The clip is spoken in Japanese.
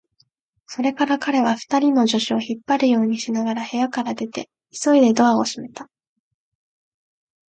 それから彼は、二人の助手を引っ張るようにしながら部屋から出て、急いでドアを閉めた。